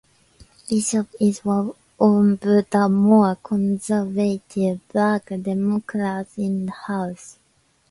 Bishop is one of the more conservative black Democrats in the House.